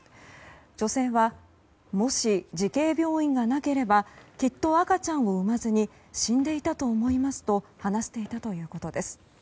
女性は、もし慈恵病院がなければきっと赤ちゃんを産まずに死んでいたと思いますと話していたということです。